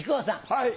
はい。